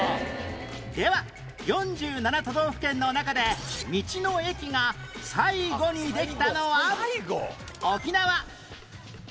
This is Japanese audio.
では４７都道府県の中で道の駅が最後にできたのは